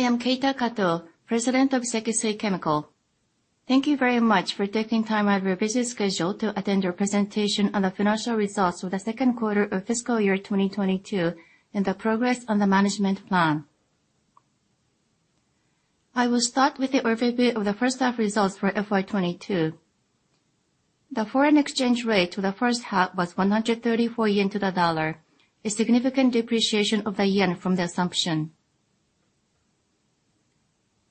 I am Keita Kato, President of Sekisui Chemical. Thank you very much for taking time out of your busy schedule to attend our presentation on the financial results for the second quarter of fiscal year 2022, and the progress on the management plan. I will start with the overview of the first half results for FY 2022. The foreign exchange rate for the first half was 134 yen to the dollar, a significant depreciation of the yen from the assumption.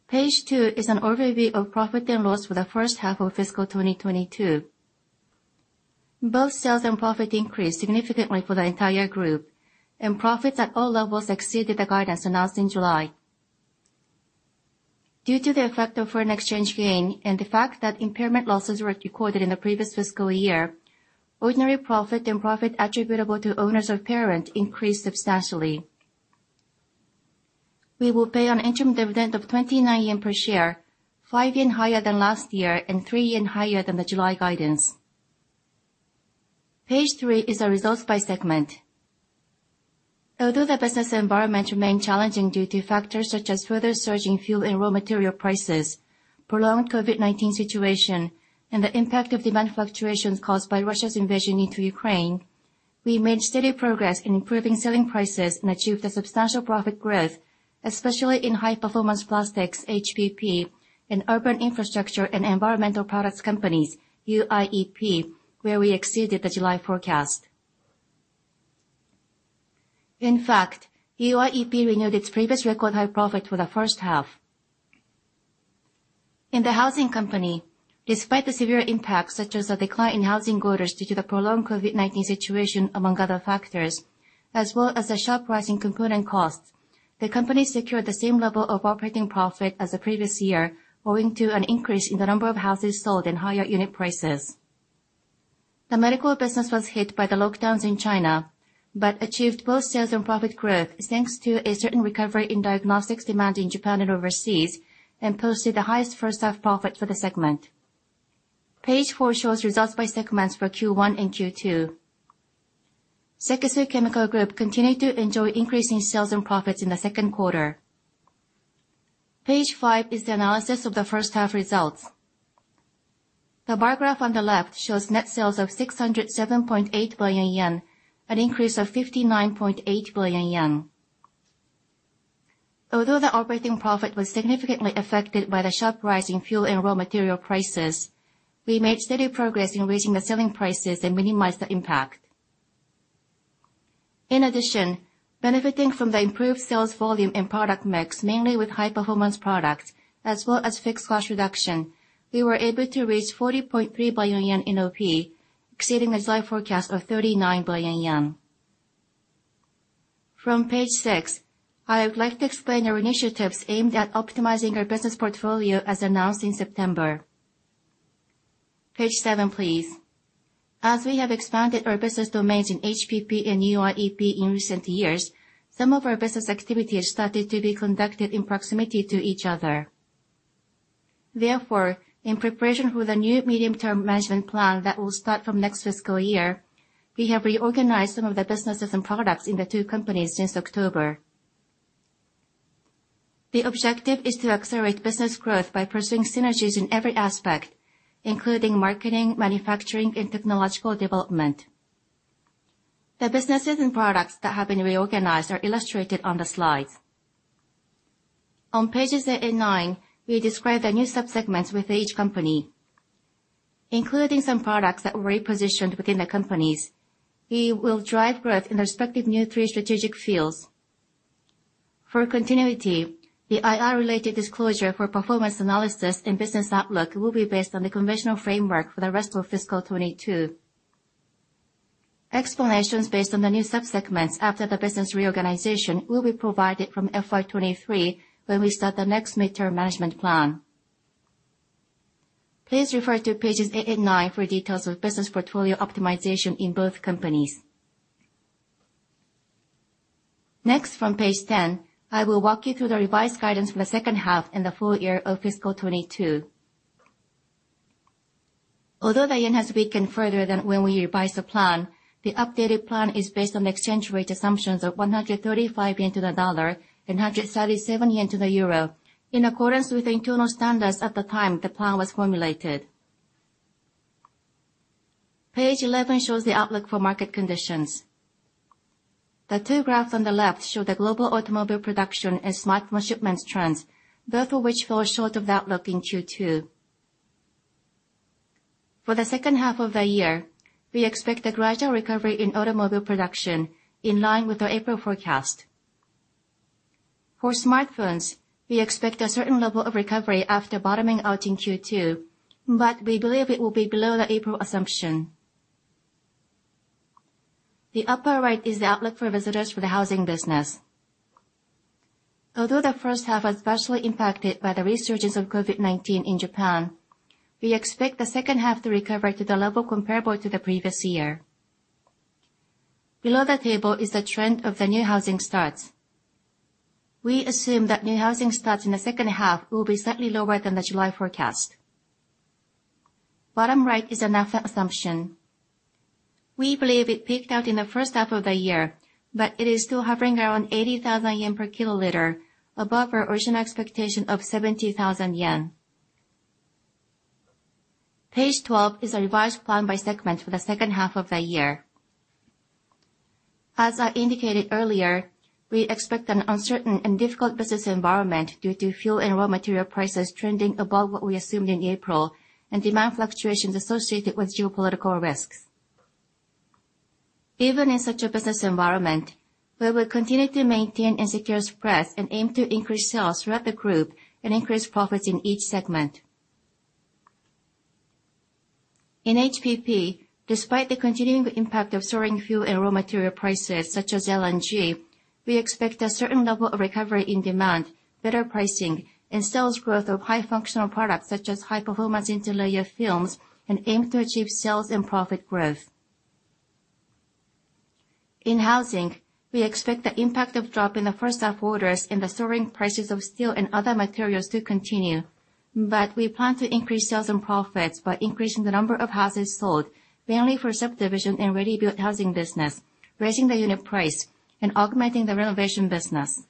Page two is an overview of profit and loss for the first half of fiscal 2022. Both sales and profit increased significantly for the entire group, and profits at all levels exceeded the guidance announced in July. Due to the effect of foreign exchange gain and the fact that impairment losses were recorded in the previous fiscal year, ordinary profit and profit attributable to owners of parent increased substantially. We will pay an interim dividend of 29 yen per share, 5 yen higher than last year and 3 yen higher than the July guidance. Page three is the results by segment. Although the business environment remained challenging due to factors such as further surge in fuel and raw material prices, prolonged COVID-19 situation, and the impact of demand fluctuations caused by Russia's invasion into Ukraine, we made steady progress in improving selling prices and achieved a substantial profit growth, especially in High Performance Plastics Company, HPP, and Urban Infrastructure and Environmental Products Company, UIEP, where we exceeded the July forecast. In fact, UIEP renewed its previous record high profit for the first half. In the Housing Company, despite the severe impacts such as the decline in housing orders due to the prolonged COVID-19 situation among other factors, as well as the sharp rise in component costs, the company secured the same level of operating profit as the previous year owing to an increase in the number of houses sold and higher unit prices. The medical business was hit by the lockdowns in China, but achieved both sales and profit growth, thanks to a certain recovery in diagnostics demand in Japan and overseas, and posted the highest first half profit for the segment. Page four shows results by segments for Q1 and Q2. Sekisui Chemical Group continued to enjoy increasing sales and profits in the second quarter. Page five is the analysis of the first half results. The bar graph on the left shows net sales of 607.8 billion yen, an increase of 59.8 billion yen. Although the operating profit was significantly affected by the sharp rise in fuel and raw material prices, we made steady progress in raising the selling prices that minimize the impact. In addition, benefiting from the improved sales volume and product mix, mainly with high-performance products, as well as fixed cost reduction, we were able to raise 40.3 billion yen NOP, exceeding a slight forecast of 39 billion yen. From page six, I would like to explain our initiatives aimed at optimizing our business portfolio as announced in September. Page seven, please. As we have expanded our business domains in HPP and UIEP in recent years, some of our business activities started to be conducted in proximity to each other. Therefore, in preparation for the new medium-term management plan that will start from next fiscal year, we have reorganized some of the businesses and products in the two companies since October. The objective is to accelerate business growth by pursuing synergies in every aspect, including marketing, manufacturing, and technological development. The businesses and products that have been reorganized are illustrated on the slides. On pages eight and nine, we describe the new subsegments with each company, including some products that were repositioned within the companies. We will drive growth in respective new three strategic fields. For continuity, the IR-related disclosure for performance analysis and business outlook will be based on the conventional framework for the rest of fiscal 2022. Explanations based on the new subsegments after the business reorganization will be provided from FY 2023 when we start the next mid-term management plan. Please refer to pages eight and nine for details of business portfolio optimization in both companies. Next, from page 10, I will walk you through the revised guidance for the second half and the full year of fiscal 2022. Although the yen has weakened further than when we revised the plan, the updated plan is based on exchange rate assumptions of 135 yen to the dollar and 137 yen to the euro, in accordance with internal standards at the time the plan was formulated. Page 11 shows the outlook for market conditions. The two graphs on the left show the global automobile production and smartphone shipments trends, both of which fell short of the outlook in Q2. For the second half of the year, we expect a gradual recovery in automobile production in line with our April forecast. For smartphones, we expect a certain level of recovery after bottoming out in Q2, but we believe it will be below the April assumption. The upper right is the outlook for visitors for the housing business. Although the first half was partially impacted by the resurgence of COVID-19 in Japan, we expect the second half to recover to the level comparable to the previous year. Below the table is the trend of the new housing starts. We assume that new housing starts in the second half will be slightly lower than the July forecast. Bottom right is an assumption. We believe it peaked out in the first half of the year, but it is still hovering around 80,000 yen per kiloliter above our original expectation of 70,000 yen. Page 12 is a revised plan by segment for the second half of the year. As I indicated earlier, we expect an uncertain and difficult business environment due to fuel and raw material prices trending above what we assumed in April and demand fluctuations associated with geopolitical risks. Even in such a business environment, we will continue to maintain and secure spreads and aim to increase sales throughout the group and increase profits in each segment. In HPP, despite the continuing impact of soaring fuel and raw material prices such as LNG, we expect a certain level of recovery in demand, better pricing, and sales growth of high functional products such as high-performance interlayer films and aim to achieve sales and profit growth. In housing, we expect the impact of drop in the first half orders and the soaring prices of steel and other materials to continue. We plan to increase sales and profits by increasing the number of houses sold, mainly for subdivision and ready-built housing business, raising the unit price, and augmenting the renovation business.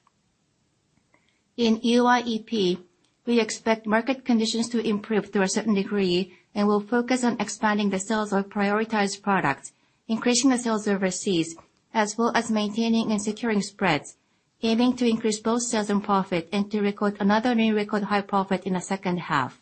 In UIEP, we expect market conditions to improve to a certain degree, and we'll focus on expanding the sales of prioritized products, increasing the sales overseas, as well as maintaining and securing spreads, aiming to increase both sales and profit and to record another new record high profit in the second half.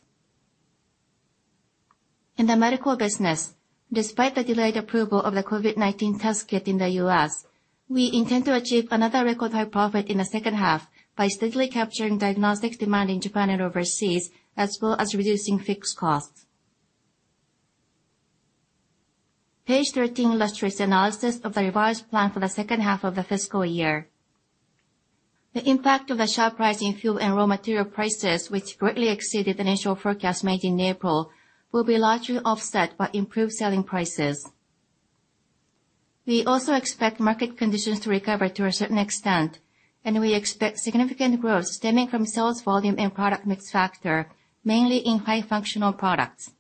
In the medical business, despite the delayed approval of the COVID-19 test kit in the U.S., we intend to achieve another record high profit in the second half by steadily capturing diagnostic demand in Japan and overseas, as well as reducing fixed costs. Page 13 illustrates analysis of the revised plan for the second half of the fiscal year. The impact of the sharp rise in fuel and raw material prices, which greatly exceeded the initial forecast made in April, will be largely offset by improved selling prices. We also expect market conditions to recover to a certain extent, and we expect significant growth stemming from sales volume and product mix factor, mainly in high functional products.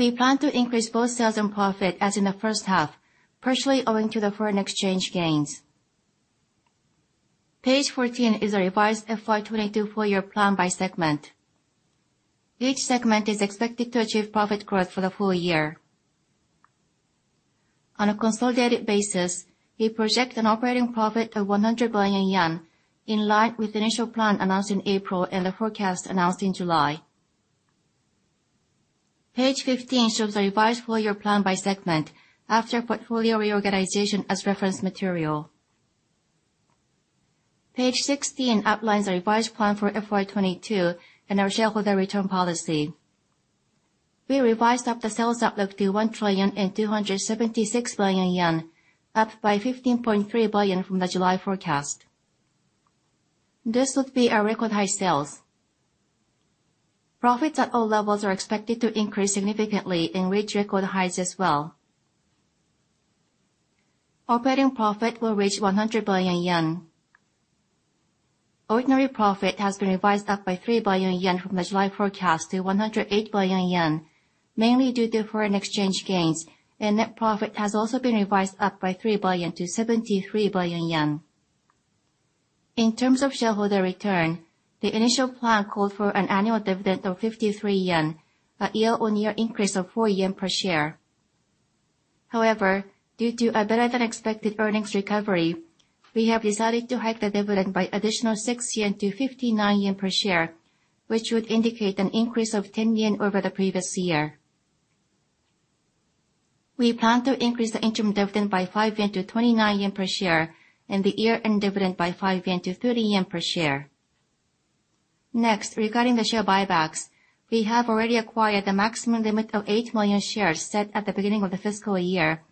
We plan to increase both sales and profit as in the first half, partially owing to the foreign exchange gains. Page 14 is a revised FY 2022 full year plan by segment. Each segment is expected to achieve profit growth for the full year. On a consolidated basis, we project an operating profit of JPY 100 billion, in line with the initial plan announced in April and the forecast announced in July. Page 15 shows the revised full year plan by segment after portfolio reorganization as reference material. Page sixteen outlines the revised plan for FY 2022 and our shareholder return policy. We revised up the sales outlook to 1,276 billion yen, up by 15.3 billion from the July forecast. This would be our record high sales. Profits at all levels are expected to increase significantly and reach record highs as well. Operating profit will reach 100 billion yen. Ordinary profit has been revised up by 3 billion yen from the July forecast to 108 billion yen, mainly due to foreign exchange gains, and net profit has also been revised up by 3 billion-73 billion yen. In terms of shareholder return, the initial plan called for an annual dividend of 53 yen, a year-on-year increase of 4 yen per share. However, due to a better than expected earnings recovery, we have decided to hike the dividend by additional 6-59 yen per share, which would indicate an increase of 10 yen over the previous year. We plan to increase the interim dividend by 5-29 yen per share, and the year-end dividend by 5-30 yen per share. Next, regarding the share buybacks, we have already acquired the maximum limit of 8 million shares set at the beginning of the fiscal year,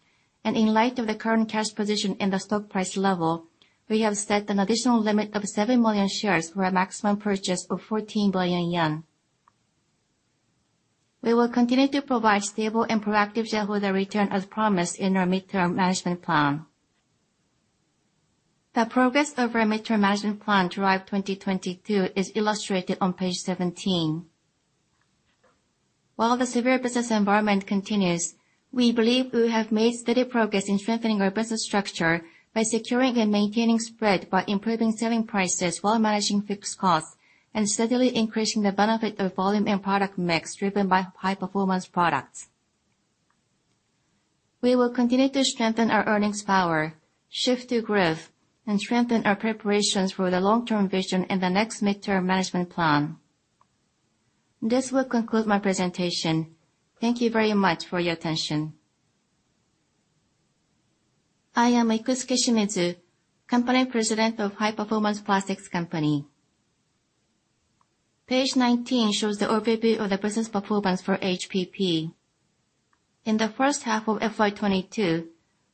and in light of the current cash position and the stock price level, we have set an additional limit of 7 million shares for a maximum purchase of 14 billion yen. We will continue to provide stable and proactive shareholder return as promised in our medium-term management plan. The progress of our midterm management plan DRIVE 2022 is illustrated on page 17. While the severe business environment continues, we believe we have made steady progress in strengthening our business structure by securing and maintaining spread by improving selling prices while managing fixed costs and steadily increasing the benefit of volume and product mix driven by high performance products. We will continue to strengthen our earnings power, shift to growth, and strengthen our preparations for the long-term vision in the next midterm management plan. This will conclude my presentation. Thank you very much for your attention. I am Ikusuke Shimizu, President of High Performance Plastics Company. Page 19 shows the overview of the business performance for HPP. In the first half of FY 2022,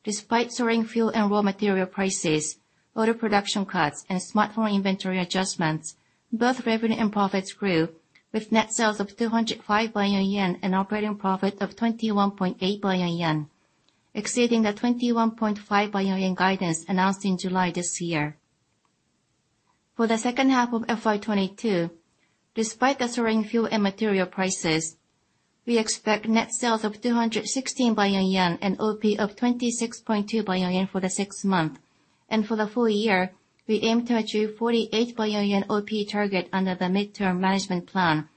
despite soaring fuel and raw material prices, order production cuts, and smartphone inventory adjustments, both revenue and profits grew with net sales of 205 billion yen and operating profit of 21.8 billion yen, exceeding the 21.5 billion yen guidance announced in July this year. For the second half of FY 2022, despite the soaring fuel and material prices, we expect net sales of 216 billion yen and OP of 26.2 billion yen for the six months. For the full year, we aim to achieve 48 billion yen OP target under the midterm management plan,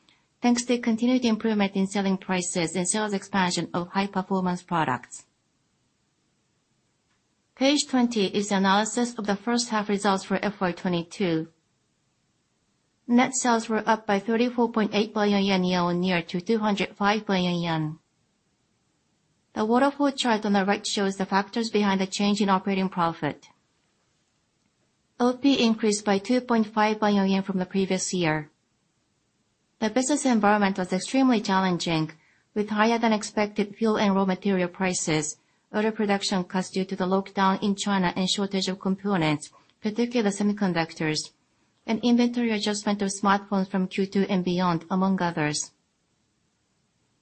thanks to continued improvement in selling prices and sales expansion of high performance products. Page 20 is the analysis of the first half results for FY 2022. Net sales were up by 34.8 billion yen year-over-year to 205 billion yen. The waterfall chart on the right shows the factors behind the change in operating profit. OP increased by 2.5 billion yen from the previous year. The business environment was extremely challenging, with higher than expected fuel and raw material prices, auto production costs due to the lockdown in China and shortage of components, particularly semiconductors, and inventory adjustment of smartphones from Q2 and beyond, among others.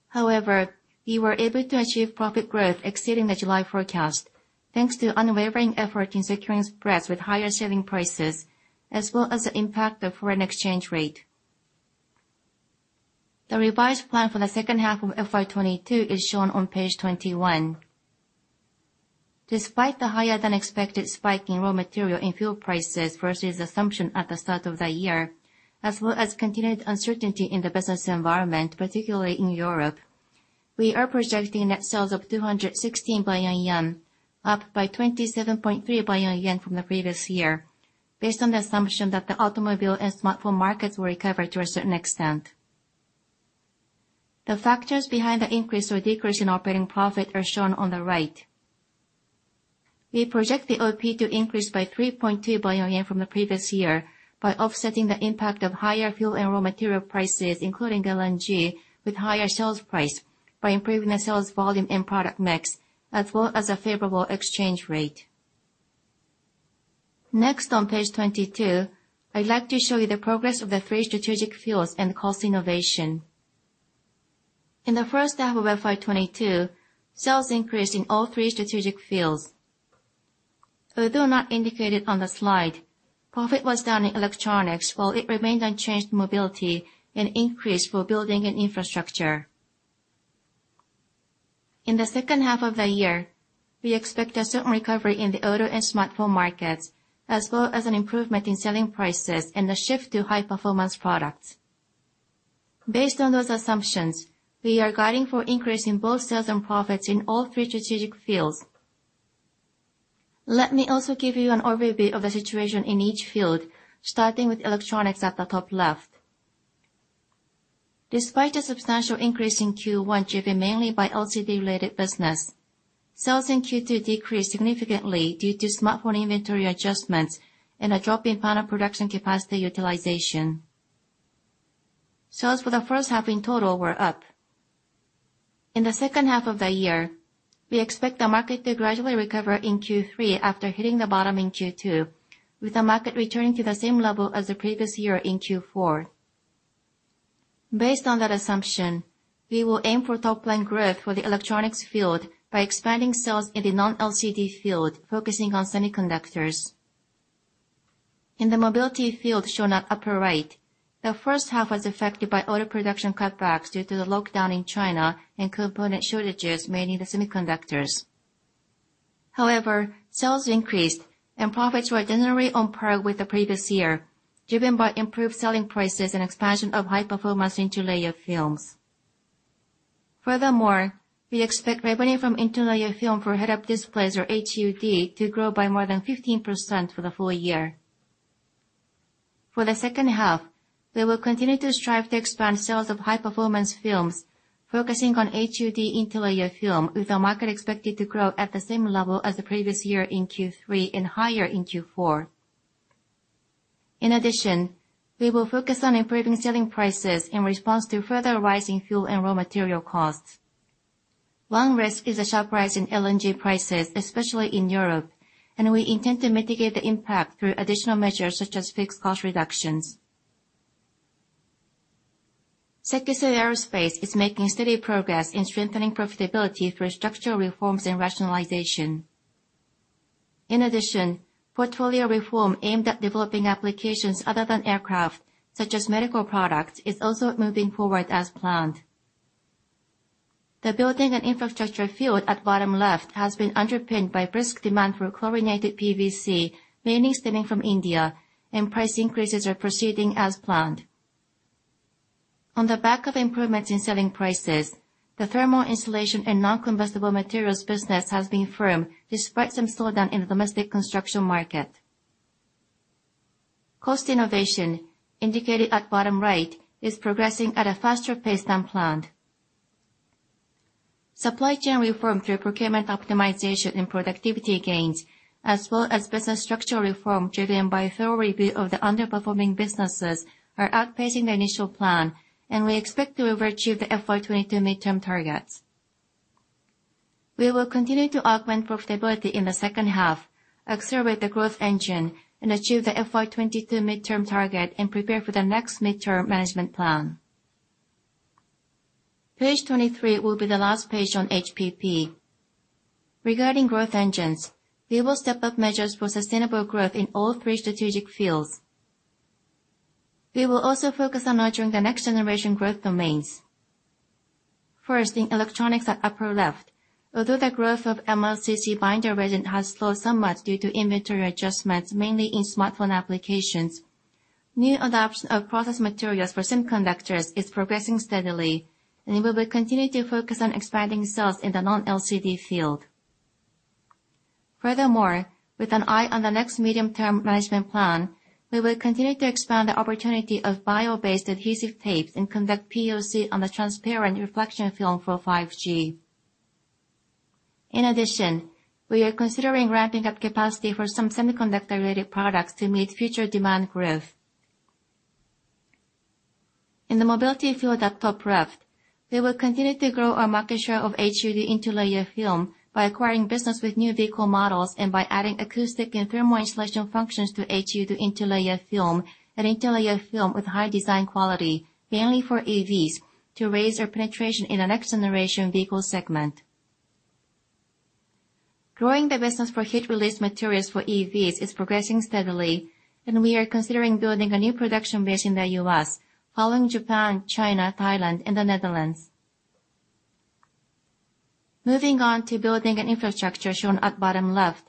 However, we were able to achieve profit growth exceeding the July forecast, thanks to unwavering effort in securing spreads with higher selling prices, as well as the impact of foreign exchange rate. The revised plan for the second half of FY 2022 is shown on page 21. Despite the higher than expected spike in raw material and fuel prices versus assumption at the start of the year, as well as continued uncertainty in the business environment, particularly in Europe, we are projecting net sales of 216 billion yen, up by 27.3 billion yen from the previous year based on the assumption that the automobile and smartphone markets will recover to a certain extent. The factors behind the increase or decrease in operating profit are shown on the right. We project the OP to increase by 3.2 billion yen from the previous year by offsetting the impact of higher fuel and raw material prices, including LNG, with higher sales price by improving the sales volume and product mix, as well as a favorable exchange rate. Next on page 22, I'd like to show you the progress of the three strategic fields and cost innovation. In the first half of FY2022, sales increased in all three strategic fields. Although not indicated on the slide, profit was down in electronics while it remained unchanged in mobility and increased for building and infrastructure. In the second half of the year, we expect a certain recovery in the auto and smartphone markets, as well as an improvement in selling prices and a shift to high performance products. Based on those assumptions, we are guiding for increase in both sales and profits in all three strategic fields. Let me also give you an overview of the situation in each field, starting with electronics at the top left. Despite a substantial increase in Q1 driven mainly by LCD related business, sales in Q2 decreased significantly due to smartphone inventory adjustments and a drop in panel production capacity utilization. Sales for the first half in total were up. In the second half of the year, we expect the market to gradually recover in Q3 after hitting the bottom in Q2, with the market returning to the same level as the previous year in Q4. Based on that assumption, we will aim for top line growth for the electronics field by expanding sales in the non-LCD field, focusing on semiconductors. In the mobility field shown at upper right, the first half was affected by auto production cutbacks due to the lockdown in China and component shortages, mainly the semiconductors. However, sales increased and profits were generally on par with the previous year, driven by improved selling prices and expansion of high performance interlayer films. Furthermore, we expect revenue from interlayer film for head-up displays, or HUD, to grow by more than 15% for the full year. For the second half, we will continue to strive to expand sales of high performance films, focusing on HUD interlayer film, with the market expected to grow at the same level as the previous year in Q3 and higher in Q4. In addition, we will focus on improving selling prices in response to further rising fuel and raw material costs. One risk is a sharp rise in LNG prices, especially in Europe, and we intend to mitigate the impact through additional measures such as fixed cost reductions. Sekisui Aerospace is making steady progress in strengthening profitability through structural reforms and rationalization. In addition, portfolio reform aimed at developing applications other than aircraft, such as medical products, is also moving forward as planned. The building and infrastructure field at bottom left has been underpinned by brisk demand for chlorinated PVC, mainly stemming from India, and price increases are proceeding as planned. On the back of improvements in selling prices, the thermal insulation and non-combustible materials business has been firm despite some slowdown in the domestic construction market. Cost innovation, indicated at bottom right, is progressing at a faster pace than planned. Supply chain reform through procurement optimization and productivity gains, as well as business structural reform driven by thorough review of the underperforming businesses, are outpacing the initial plan, and we expect to overachieve the FY22 midterm targets. We will continue to augment profitability in the second half, accelerate the growth engine, and achieve the FY22 midterm target and prepare for the next midterm management plan. Page 23 will be the last page on HPP. Regarding growth engines, we will step up measures for sustainable growth in all three strategic fields. We will also focus on nurturing the next generation growth domains. First, in electronics at upper left, although the growth of MLCC binder resin has slowed somewhat due to inventory adjustments, mainly in smartphone applications, new adoption of process materials for semiconductors is progressing steadily, and we will continue to focus on expanding sales in the non-LCD field. Furthermore, with an eye on the next medium-term management plan, we will continue to expand the opportunity of bio-based adhesive tapes and conduct POC on the transparent reflection film for 5G. In addition, we are considering ramping up capacity for some semiconductor-related products to meet future demand growth. In the mobility field at top left, we will continue to grow our market share of HUD interlayer film by acquiring business with new vehicle models and by adding acoustic and thermal insulation functions to HUD interlayer film and interlayer film with high design quality, mainly for AVs, to raise our penetration in the next generation vehicle segment. Growing the business for heat release materials for AVs is progressing steadily, and we are considering building a new production base in the U.S. following Japan, China, Thailand, and the Netherlands. Moving on to building an infrastructure shown at bottom left,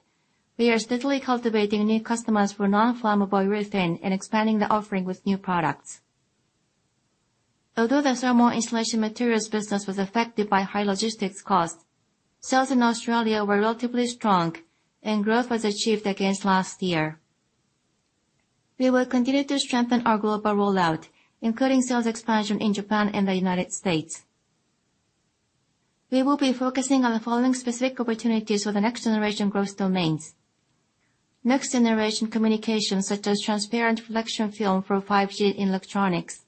we are steadily cultivating new customers for non-flammable urethane and expanding the offering with new products. Although the thermal insulation materials business was affected by high logistics costs, sales in Australia were relatively strong, and growth was achieved against last year. We will continue to strengthen our global rollout, including sales expansion in Japan and the United States. We will be focusing on the following specific opportunities for the next generation growth domains. Next generation communications such as transparent reflection film for 5G in electronics.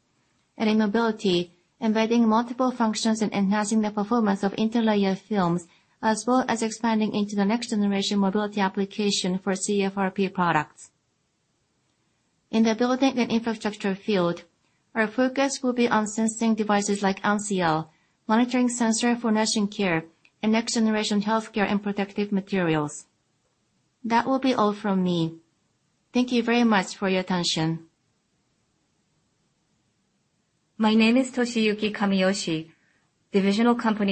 In mobility, embedding multiple functions and enhancing the performance of interlayer films, as well as expanding into the next generation mobility application for CFRP products. In the building and infrastructure field, our focus will be on sensing devices like N'seeL, monitoring sensor for nursing care, and next generation healthcare and protective materials. That will be all from me. Thank you very much for your attention. My name is Toshiyuki Kamiyoshi,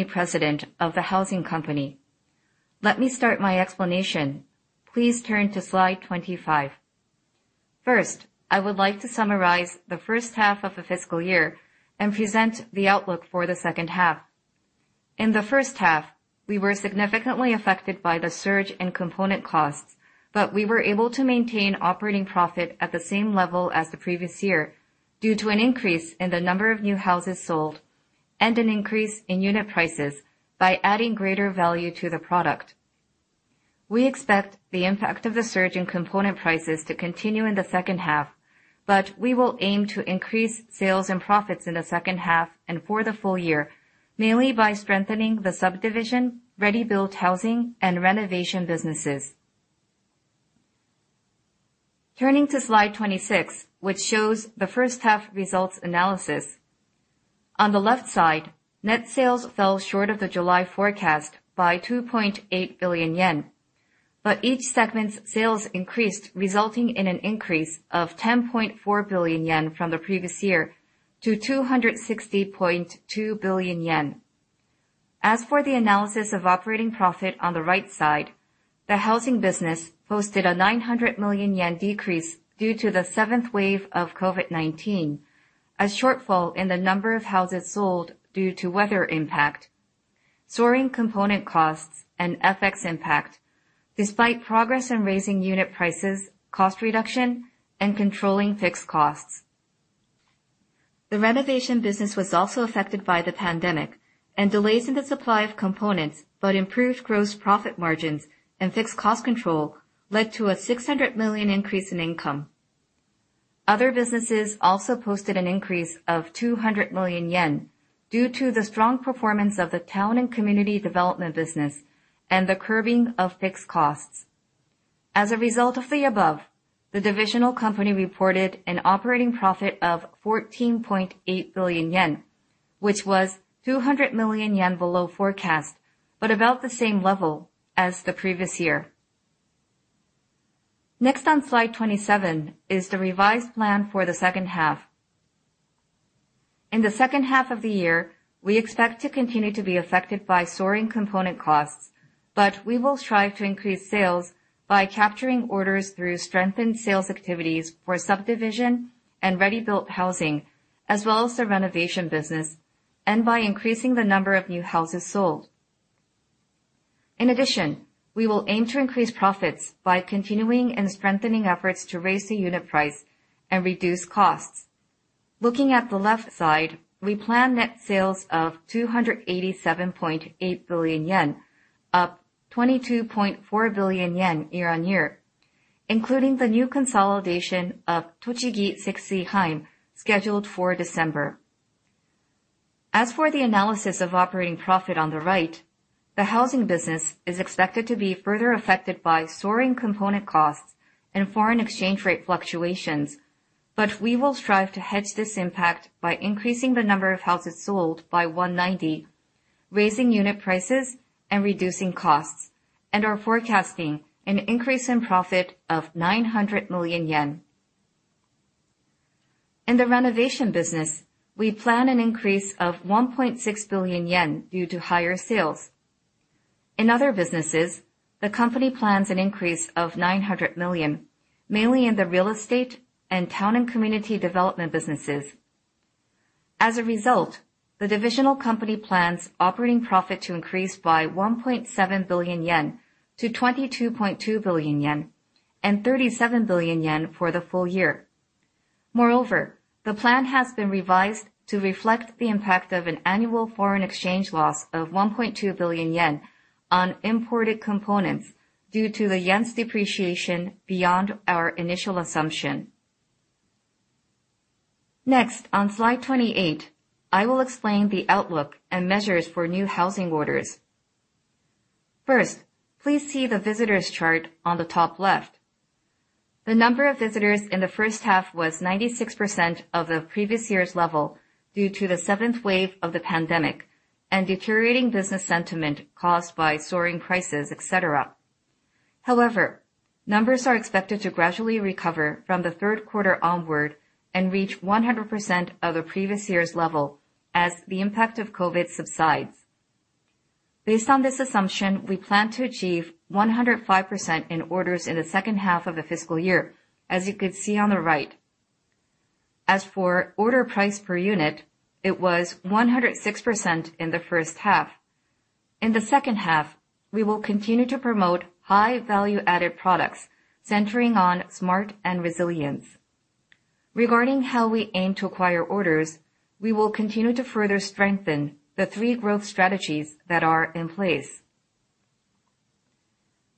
President of the Housing Company. Let me start my explanation. Please turn to slide 25. First, I would like to summarize the first half of the fiscal year and present the outlook for the second half. In the first half, we were significantly affected by the surge in component costs, but we were able to maintain operating profit at the same level as the previous year due to an increase in the number of new houses sold and an increase in unit prices by adding greater value to the product. We expect the impact of the surge in component prices to continue in the second half, but we will aim to increase sales and profits in the second half and for the full year, mainly by strengthening the subdivision, ready-built housing, and renovation businesses. Turning to slide 26, which shows the first half results analysis. On the left side, net sales fell short of the July forecast by 2.8 billion yen. Each segment's sales increased, resulting in an increase of 10.4 billion yen from the previous year to 260.2 billion yen. As for the analysis of operating profit on the right side, the housing business posted a JPY 900 million decrease due to the seventh wave of COVID-19, a shortfall in the number of houses sold due to weather impact, soaring component costs, and FX impact, despite progress in raising unit prices, cost reduction, and controlling fixed costs. The renovation business was also affected by the pandemic and delays in the supply of components, but improved gross profit margins and fixed cost control led to a 600 million increase in income. Other businesses also posted an increase of 200 million yen due to the strong performance of the town and community development business and the curbing of fixed costs. As a result of the above, the divisional company reported an operating profit of 14.8 billion yen, which was 200 million yen below forecast, but about the same level as the previous year. Next on slide 27 is the revised plan for the second half. In the second half of the year, we expect to continue to be affected by soaring component costs, but we will strive to increase sales by capturing orders through strengthened sales activities for subdivision and ready-built housing, as well as the renovation business, and by increasing the number of new houses sold. In addition, we will aim to increase profits by continuing and strengthening efforts to raise the unit price and reduce costs. Looking at the left side, we plan net sales of 287.8 billion yen, up 22.4 billion yen year-over-year, including the new consolidation of Tochigi Sekisui Heim, scheduled for December. As for the analysis of operating profit on the right, the housing business is expected to be further affected by soaring component costs and foreign exchange rate fluctuations. We will strive to hedge this impact by increasing the number of houses sold by 190, raising unit prices and reducing costs, and are forecasting an increase in profit of 900 million yen. In the renovation business, we plan an increase of 1.6 billion yen due to higher sales. In other businesses, the company plans an increase of 900 million, mainly in the real estate and town and community development businesses. As a result, the divisional company plans operating profit to increase by 1.7 billion-22.2 billion yen and 37 billion yen for the full year. Moreover, the plan has been revised to reflect the impact of an annual foreign exchange loss of 1.2 billion yen on imported components due to the yen's depreciation beyond our initial assumption. Next, on slide 28, I will explain the outlook and measures for new housing orders. First, please see the visitors chart on the top left. The number of visitors in the first half was 96% of the previous year's level due to the seventh wave of the pandemic and deteriorating business sentiment caused by soaring prices, et cetera. However, numbers are expected to gradually recover from the third quarter onward and reach 100% of the previous year's level as the impact of COVID subsides. Based on this assumption, we plan to achieve 105% in orders in the second half of the fiscal year, as you can see on the right. As for order price per unit, it was 106% in the first half. In the second half, we will continue to promote high value-added products centering on smart and resilience. Regarding how we aim to acquire orders, we will continue to further strengthen the three growth strategies that are in place.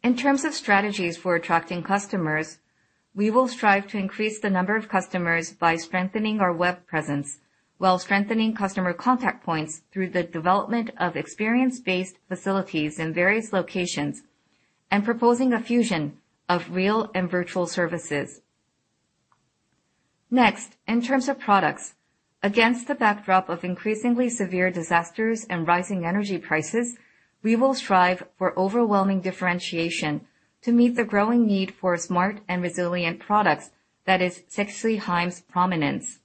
In terms of strategies for attracting customers, we will strive to increase the number of customers by strengthening our web presence while strengthening customer contact points through the development of experience-based facilities in various locations and proposing a fusion of real and virtual services. Next, in terms of products, against the backdrop of increasingly severe disasters and rising energy prices, we will strive for overwhelming differentiation to meet the growing need for smart and resilient products that is Sekisui Heim's prominence.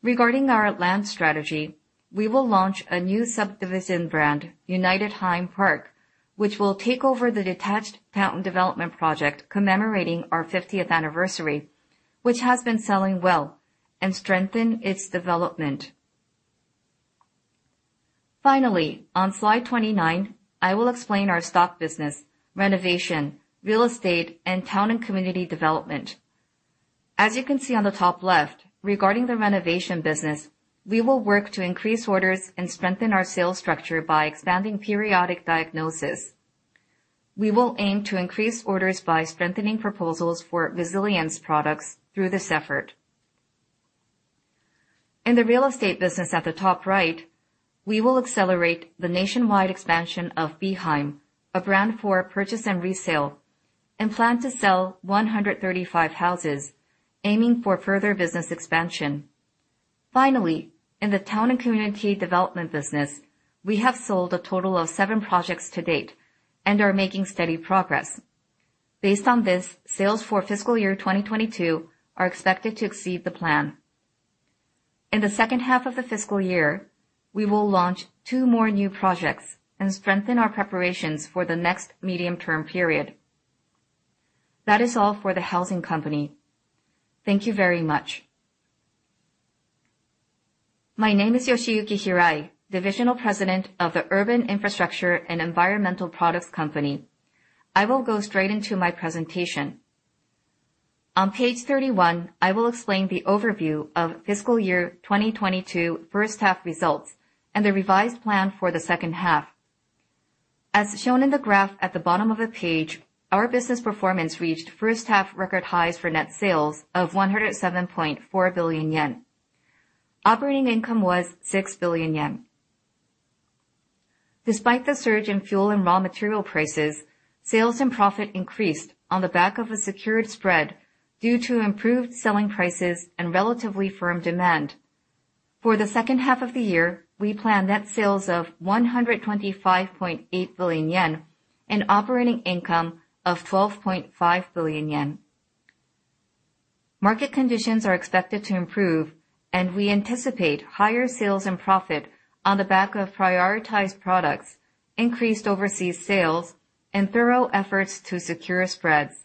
Regarding our land strategy, we will launch a new subdivision brand, United Home Park, which will take over the detached town development project commemorating our fiftieth anniversary, which has been selling well and strengthen its development. Finally, on slide 29, I will explain our stock business, renovation, real estate, and town and community development. As you can see on the top left, regarding the renovation business, we will work to increase orders and strengthen our sales structure by expanding periodic diagnosis. We will aim to increase orders by strengthening proposals for resilience products through this effort. In the real estate business at the top right, we will accelerate the nationwide expansion of Be HEIM, a brand for purchase and resale, and plan to sell 135 houses aiming for further business expansion. Finally, in the town and community development business, we have sold a total of seven projects to date and are making steady progress. Based on this, sales for fiscal year 2022 are expected to exceed the plan. In the second half of the fiscal year, we will launch two more new projects and strengthen our preparations for the next medium-term period. That is all for the housing company. Thank you very much. My name is Yoshiyuki Hirai, Divisional President of the Urban Infrastructure and Environmental Products Company. I will go straight into my presentation. On page 31, I will explain the overview of fiscal year 2022 first half results and the revised plan for the second half. As shown in the graph at the bottom of the page, our business performance reached first half record highs for net sales of 107.4 billion yen. Operating income was 6 billion yen. Despite the surge in fuel and raw material prices, sales and profit increased on the back of a secured spread due to improved selling prices and relatively firm demand. For the second half of the year, we plan net sales of 125.8 billion yen and operating income of 12.5 billion yen. Market conditions are expected to improve, and we anticipate higher sales and profit on the back of prioritized products, increased overseas sales, and thorough efforts to secure spreads.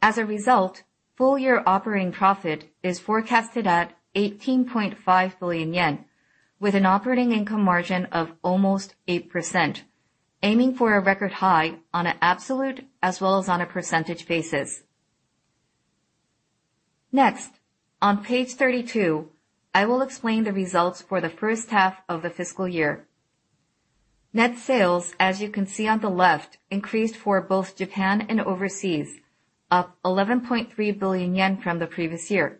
As a result, full-year operating profit is forecasted at 18.5 billion yen, with an operating income margin of almost 8%, aiming for a record high on an absolute as well as on a percentage basis. Next, on page 32, I will explain the results for the first half of the fiscal year. Net sales, as you can see on the left, increased for both Japan and overseas, up 11.3 billion yen from the previous year.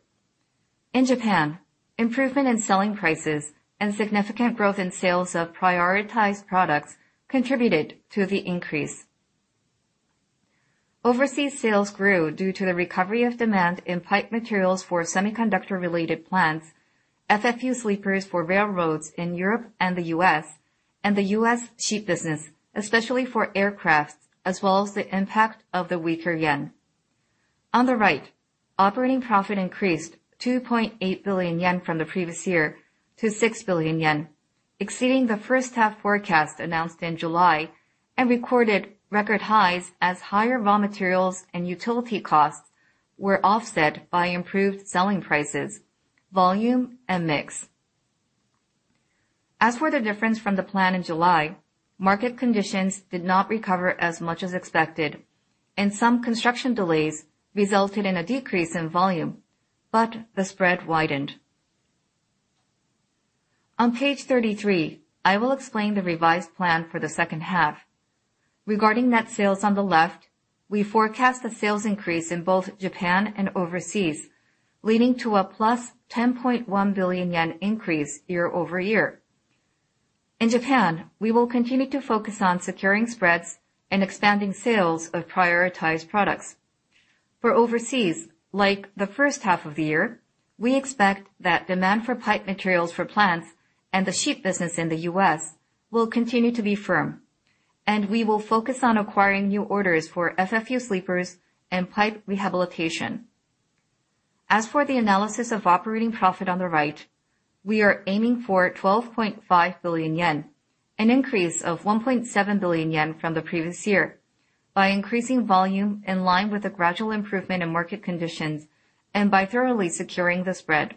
In Japan, improvement in selling prices and significant growth in sales of prioritized products contributed to the increase. Overseas sales grew due to the recovery of demand in pipe materials for semiconductor-related plants, FFU sleepers for railroads in Europe and the U.S., and the U.S. sheet business, especially for aircraft, as well as the impact of the weaker yen. On the right, operating profit increased 2.8 billion yen from the previous year to 6 billion yen, exceeding the first half forecast announced in July, and recorded record highs as higher raw materials and utility costs were offset by improved selling prices, volume, and mix. As for the difference from the plan in July, market conditions did not recover as much as expected, and some construction delays resulted in a decrease in volume, but the spread widened. On page 33, I will explain the revised plan for the second half. Regarding net sales on the left, we forecast a sales increase in both Japan and overseas, leading to a plus 10.1 billion yen increase year-over-year. In Japan, we will continue to focus on securing spreads and expanding sales of prioritized products. For overseas, like the first half of the year, we expect that demand for pipe materials for plants and the sheet business in the U.S. will continue to be firm, and we will focus on acquiring new orders for FFU sleepers and pipe rehabilitation. As for the analysis of operating profit on the right, we are aiming for 12.5 billion yen, an increase of 1.7 billion yen from the previous year, by increasing volume in line with the gradual improvement in market conditions, and by thoroughly securing the spread.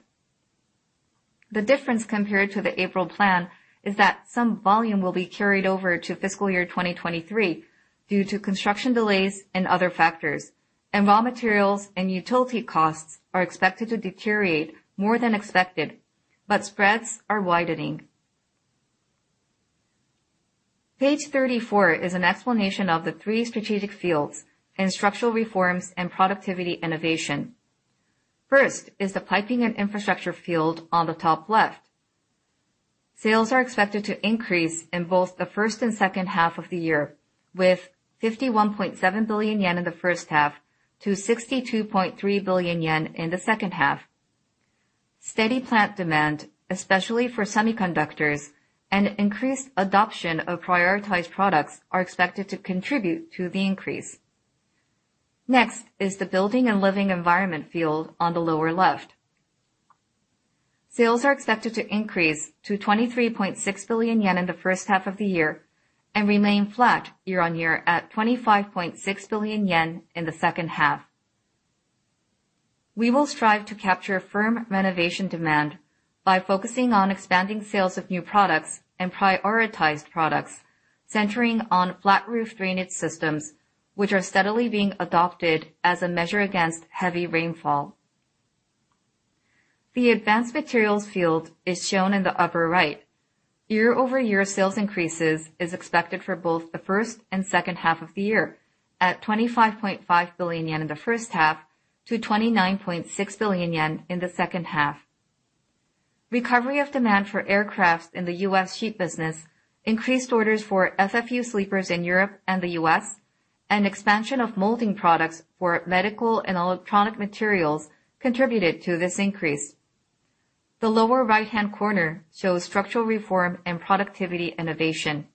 The difference compared to the April plan is that some volume will be carried over to fiscal year 2023 due to construction delays and other factors, and raw materials and utility costs are expected to deteriorate more than expected, but spreads are widening. Page 34 is an explanation of the three strategic fields in structural reforms and productivity innovation. First is the piping and infrastructure field on the top left. Sales are expected to increase in both the first and second half of the year, with 51.7 billion yen in the first half to 62.3 billion yen in the second half. Steady plant demand, especially for semiconductors and increased adoption of prioritized products, are expected to contribute to the increase. Next is the building and living environment field on the lower left. Sales are expected to increase to 23.6 billion yen in the first half of the year and remain flat year-on-year at 25.6 billion yen in the second half. We will strive to capture firm renovation demand by focusing on expanding sales of new products and prioritized products, centering on flat roof drainage systems, which are steadily being adopted as a measure against heavy rainfall. The advanced materials field is shown in the upper right. Year-over-year sales increases is expected for both the first and second half of the year at 25.5 billion yen in the first half to 29.6 billion yen in the second half. Recovery of demand for aircraft in the U.S. sheet business, increased orders for FFU sleepers in Europe and the U.S., and expansion of molding products for medical and electronic materials contributed to this increase. The lower right-hand corner shows structural reform and productivity innovation.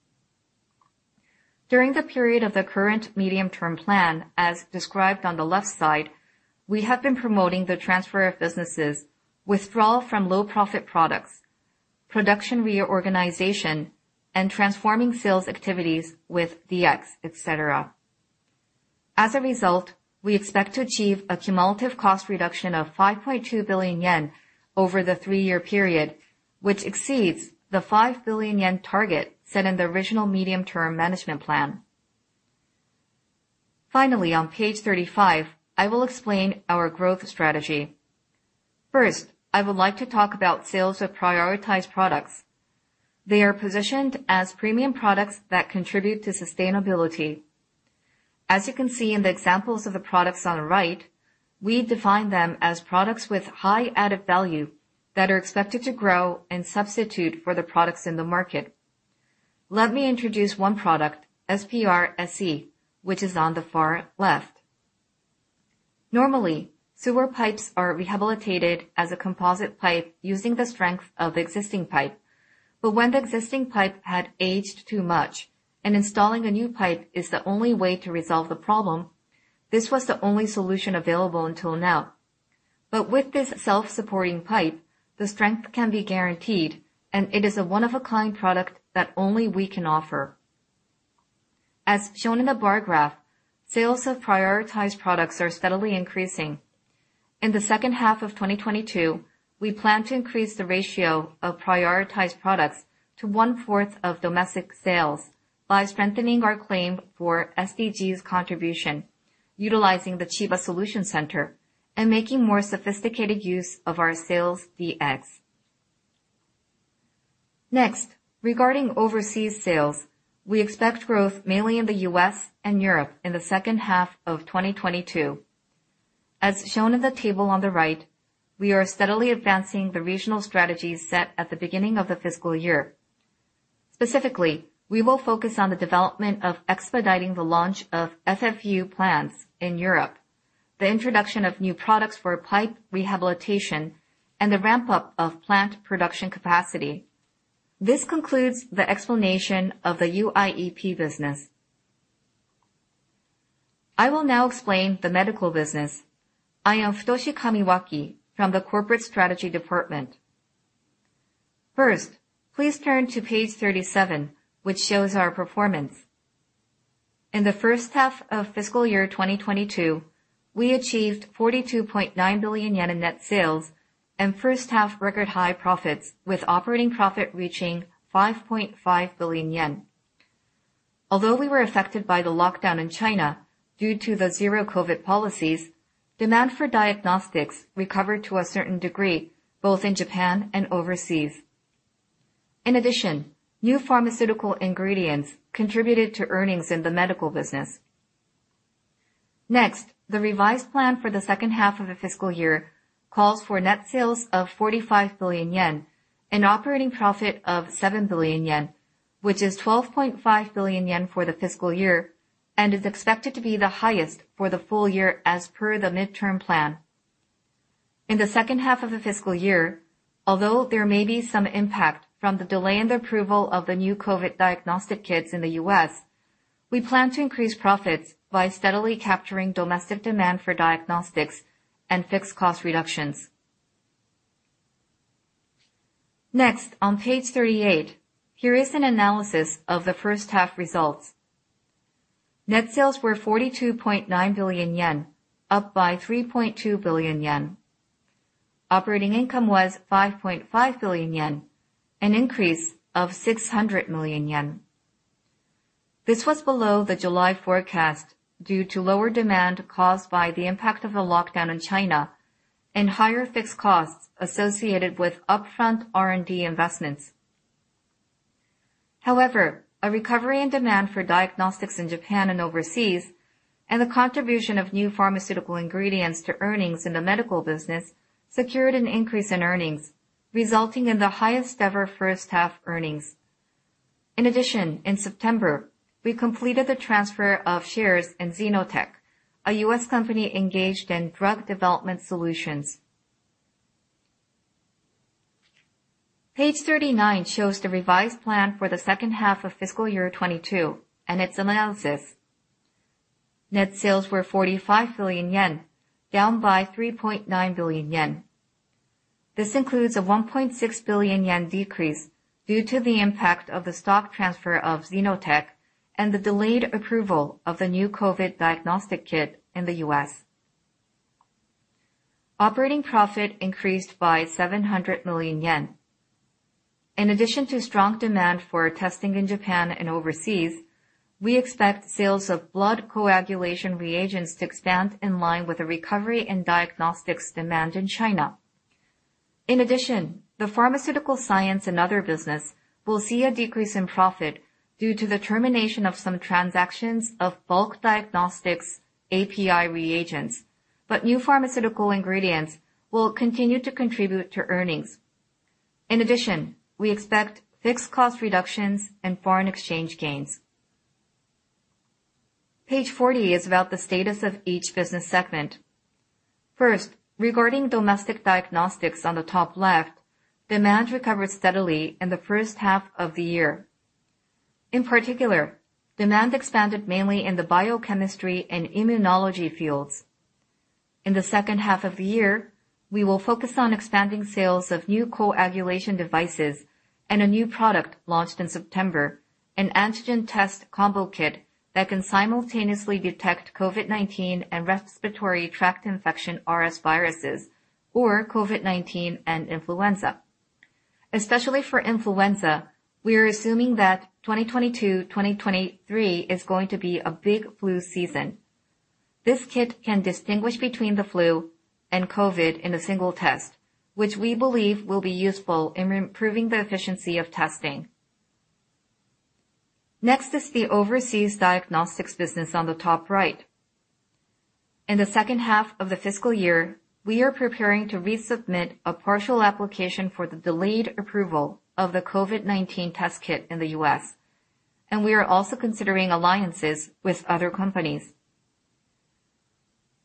During the period of the current medium-term plan, as described on the left side, we have been promoting the transfer of businesses, withdrawal from low profit products, production reorganization, and transforming sales activities with DX, et cetera. As a result, we expect to achieve a cumulative cost reduction of 5.2 billion yen over the three-year period, which exceeds the 5 billion yen target set in the original medium-term management plan. Finally, on page 35, I will explain our growth strategy. First, I would like to talk about sales of prioritized products. They are positioned as premium products that contribute to sustainability. As you can see in the examples of the products on the right, we define them as products with high added value that are expected to grow and substitute for the products in the market. Let me introduce one product, SPR-SE, which is on the far left. Normally, sewer pipes are rehabilitated as a composite pipe using the strength of existing pipe. When the existing pipe had aged too much and installing a new pipe is the only way to resolve the problem, this was the only solution available until now. With this self-supporting pipe, the strength can be guaranteed, and it is a one-of-a-kind product that only we can offer. As shown in the bar graph, sales of prioritized products are steadily increasing. In the second half of 2022, we plan to increase the ratio of prioritized products to one-fourth of domestic sales by strengthening our claim for SDGs contribution, utilizing the Chiba Solution Center, and making more sophisticated use of our sales DX. Next, regarding overseas sales, we expect growth mainly in the US and Europe in the second half of 2022. As shown in the table on the right, we are steadily advancing the regional strategies set at the beginning of the fiscal year. Specifically, we will focus on the development of expediting the launch of FFU plants in Europe, the introduction of new products for pipe rehabilitation, and the ramp-up of plant production capacity. This concludes the explanation of the UIEP business. I will now explain the medical business. I am Futoshi Kamiwaki from the Business Strategy Department. First, please turn to page 37, which shows our performance. In the first half of fiscal year 2022, we achieved 42.9 billion yen in net sales and first half record high profits, with operating profit reaching 5.5 billion yen. Although we were affected by the lockdown in China due to the zero-COVID policies, demand for diagnostics recovered to a certain degree, both in Japan and overseas. In addition, new pharmaceutical ingredients contributed to earnings in the medical business. Next, the revised plan for the second half of the fiscal year calls for net sales of 45 billion yen and operating profit of 7 billion yen, which is 12.5 billion yen for the fiscal year and is expected to be the highest for the full year as per the midterm plan. In the second half of the fiscal year, although there may be some impact from the delay in the approval of the new COVID diagnostic kits in the U.S., we plan to increase profits by steadily capturing domestic demand for diagnostics and fixed cost reductions. Next, on page 38, here is an analysis of the first half results. Net sales were 42.9 billion yen, up by 3.2 billion yen. Operating income was 5.5 billion yen, an increase of 600 million yen. This was below the July forecast due to lower demand caused by the impact of the lockdown in China and higher fixed costs associated with upfront R&D investments. However, a recovery in demand for diagnostics in Japan and overseas and the contribution of new pharmaceutical ingredients to earnings in the medical business secured an increase in earnings, resulting in the highest-ever first half earnings. In addition, in September, we completed the transfer of shares in XenoTech, a U.S. company engaged in drug development solutions. Page 39 shows the revised plan for the second half of fiscal year 2022 and its analysis. Net sales were 45 billion yen, down by 3.9 billion yen. This includes a 1.6 billion yen decrease due to the impact of the stock transfer of XenoTech and the delayed approval of the new COVID diagnostic kit in the U.S. Operating profit increased by 700 million yen. In addition to strong demand for testing in Japan and overseas, we expect sales of blood coagulation reagents to expand in line with a recovery in diagnostics demand in China. In addition, the pharmaceutical science and other business will see a decrease in profit due to the termination of some transactions of bulk diagnostics API reagents. New pharmaceutical ingredients will continue to contribute to earnings. In addition, we expect fixed cost reductions and foreign exchange gains. Page 40 is about the status of each business segment. First, regarding domestic diagnostics on the top left, demand recovered steadily in the first half of the year. In particular, demand expanded mainly in the biochemistry and immunology fields. In the second half of the year, we will focus on expanding sales of new coagulation devices and a new product launched in September, an antigen test combo kit that can simultaneously detect COVID-19 and respiratory tract infection RSV or COVID-19 and influenza. Especially for influenza, we are assuming that 2022, 2023 is going to be a big flu season. This kit can distinguish between the flu and COVID in a single test, which we believe will be useful in improving the efficiency of testing. Next is the overseas diagnostics business on the top right. In the second half of the fiscal year, we are preparing to resubmit a partial application for the delayed approval of the COVID-19 test kit in the U.S., and we are also considering alliances with other companies.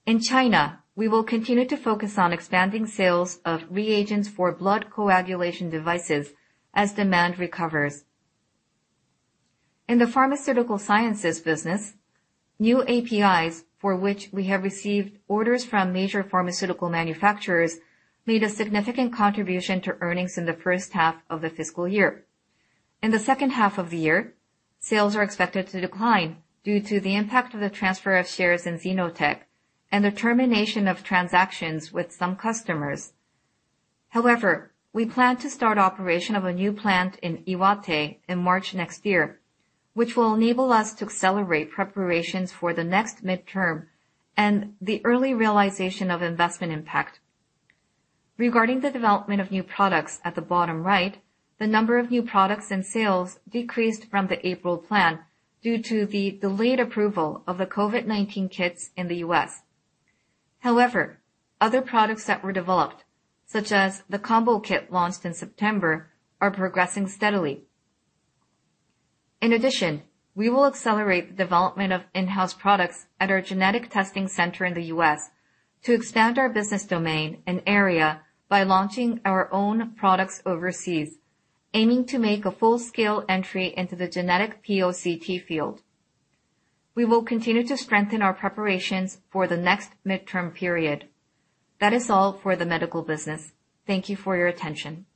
In China, we will continue to focus on expanding sales of reagents for blood coagulation devices as demand recovers. In the pharmaceutical sciences business, new APIs for which we have received orders from major pharmaceutical manufacturers made a significant contribution to earnings in the first half of the fiscal year. In the second half of the year, sales are expected to decline due to the impact of the transfer of shares in XenoTech and the termination of transactions with some customers. However, we plan to start operation of a new plant in Iwate in March next year, which will enable us to accelerate preparations for the next midterm and the early realization of investment impact. Regarding the development of new products at the bottom right, the number of new products and sales decreased from the April plan due to the delayed approval of the COVID-19 kits in the U.S. However, other products that were developed, such as the combo kit launched in September, are progressing steadily. In addition, we will accelerate the development of in-house products at our genetic testing center in the U.S. to expand our business domain and area by launching our own products overseas, aiming to make a full-scale entry into the genetic POCT field. We will continue to strengthen our preparations for the next midterm period. That is all for the medical business. Thank you for your attention.